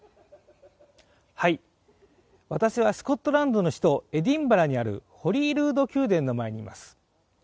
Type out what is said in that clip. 私はスコットランドの首都エディンバラにあるホリールード宮殿の前にいます